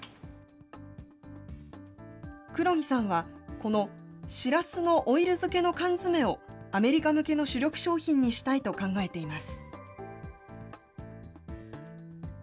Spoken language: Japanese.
黒木さんは、このしらすのオイル漬けの缶詰をアメリカ向けの主力商品にしたいと考えています。